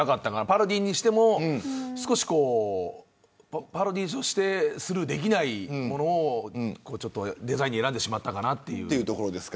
パロディーにしてもパロディーとしてスルーできないことをデザインに選んでしまったなというところです。